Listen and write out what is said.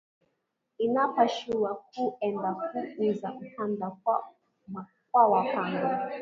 Inapashua ku enda ku uza mkanda kwa wa pango